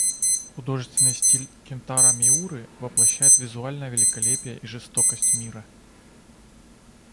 Художественный стиль Кентаро Миуры воплощает визуальное великолепие и жестокость мира.